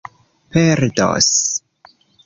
perdos